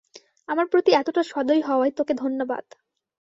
আমার প্রতি এতটা সদয় হওয়ায় তোকে ধন্যবাদ।